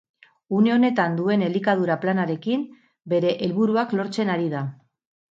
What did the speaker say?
Une honetan duen elikadura planarekin, bere helburuak lortzen ari da.